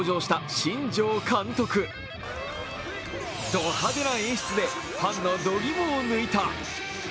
ド派手な演出でファンの度肝を抜いた。